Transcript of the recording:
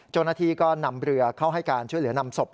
เจ้าหน้าที่ก็นำเรือเข้าให้การช่วยเหลือนำศพ